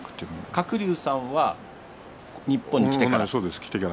鶴竜さんは日本に来てから。